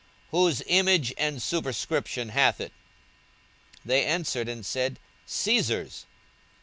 Whose image and superscription hath it? They answered and said, Caesar's.